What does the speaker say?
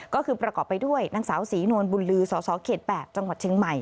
ก็คือประกอบไปด้วยนางสาวศรีนวลบุญลือสสเขต๘จังหวัดเชียงใหม่